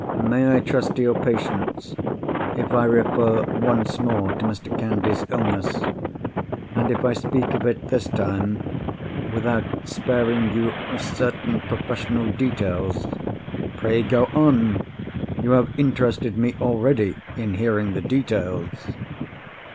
May I trust to your patience, if I refer once more to Mr. Candy's illness: and if I speak of it this time without sparing you certain professional details?" "Pray go on! You have interested me already in hearing the details."